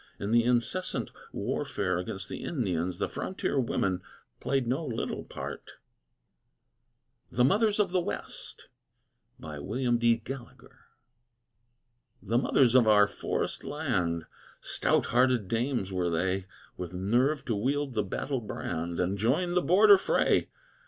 In the incessant warfare against the Indians, the frontier women played no little part. THE MOTHERS OF THE WEST The Mothers of our Forest Land! Stout hearted dames were they; With nerve to wield the battle brand, And join the border fray.